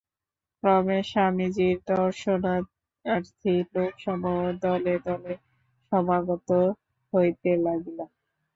ক্রমে স্বামীজীর দর্শনার্থী লোকসমূহ দলে দলে সমাগত হইতে লাগিল।